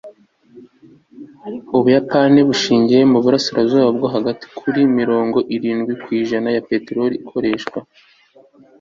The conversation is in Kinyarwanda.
ubuyapani bushingiye muburasirazuba bwo hagati kuri mirongo irindwi ku ijana ya peteroli ikoresha